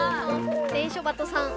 電書バトさん